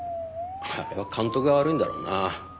あれは監督が悪いんだろうなあ。